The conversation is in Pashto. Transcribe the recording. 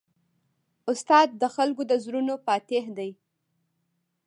استاد د خلکو د زړونو فاتح دی.